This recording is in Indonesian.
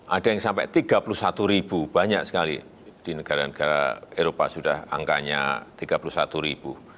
ada yang sampai tiga puluh satu ribu banyak sekali di negara negara eropa sudah angkanya tiga puluh satu ribu